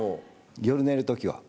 夜寝る時は。